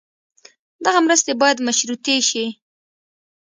دغه مرستې باید مشروطې شي.